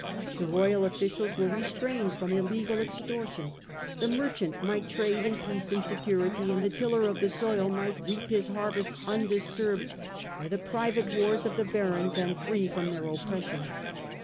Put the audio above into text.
The royal officials were restrained from illegal extortion. The merchant might trade in peace and security, and the tiller of the soil might reap his harvest undisturbed by the private wars of the barons and free from their oppression.